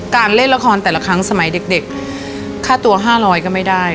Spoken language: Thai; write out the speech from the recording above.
การเล่นละครแต่ละครั้งสมัยเด็กค่าตัว๕๐๐ก็ไม่ได้